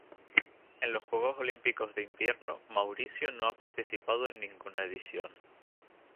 En los Juegos Olímpicos de Invierno Mauricio no ha participado en ninguna edición.